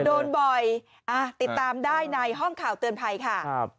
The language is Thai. โดนบ่อยติดตามได้ในห้องข่าวเตือนภัยค่ะ